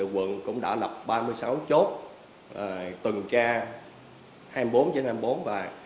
quận cũng đã lập ba mươi sáu chốt tuần ca hai mươi bốn hai mươi bốn và đối với ba mươi sáu chốt này là cũng trực từ hai mươi hai h đêm hôm trước đến sáu h sáng hôm sau